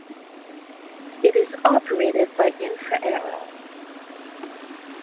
It is operated by Infraero.